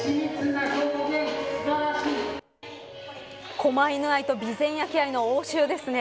こま犬愛と備前焼愛の応酬ですね。